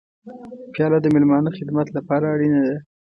پیاله د میلمانه خدمت لپاره اړینه ده.